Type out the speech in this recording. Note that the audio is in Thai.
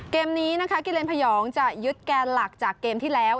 เกมนี้นะคะกิเลนพยองจะยึดแกนหลักจากเกมที่แล้ว